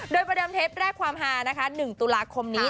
โดยประเดิมเทปแรกความฮานะคะ๑ตุลาคมนี้